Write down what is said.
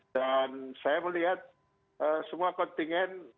dan saya melihat semua kontingen